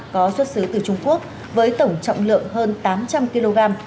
có xuất xứ từ trung quốc với tổng trọng lượng hơn tám trăm linh kg